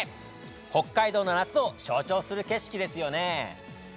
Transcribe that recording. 北海道の夏を象徴する景色ですよね。